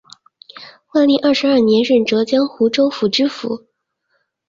万历二十二年任浙江湖州府知府。